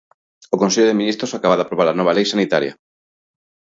O Consello de Ministros acaba de aprobar a nova lei sanitaria.